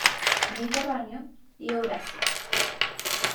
Mediterráneo, y Eurasia.